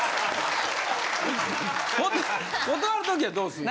断るときはどうすんの？